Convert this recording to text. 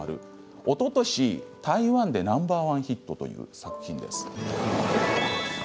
おととし台湾でナンバー１ヒットの作品です。